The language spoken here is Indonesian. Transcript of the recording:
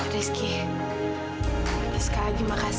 rizky terima kasih